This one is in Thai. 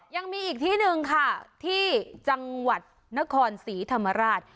ยังมีอีกที่หนึ่งค่ะที่จังหวัดนครศรีธรรมราช